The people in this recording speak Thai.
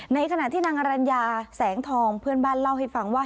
ในขณะที่นางอรัญญาแสงทองเพื่อนบ้านเล่าให้ฟังว่า